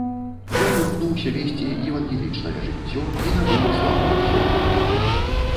Ён імкнуўся весці евангелічнае жыццё і набыў славу святога.